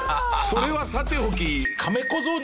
それはさておき。